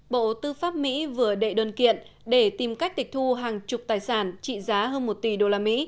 bộ tư pháp mỹ vừa đệ đơn kiện để tìm cách tịch thu hàng chục tài sản trị giá hơn một tỷ usd